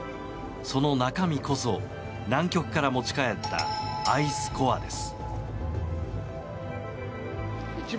その中身こそ南極から持ち帰ったアイスコアです。